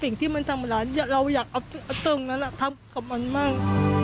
สิ่งที่ทำมนั่ลที่เราอยากทำกับมันมาก